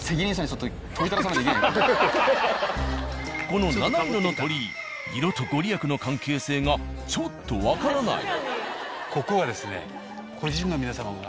この七色の鳥居色とご利益の関係性がちょっとわからない。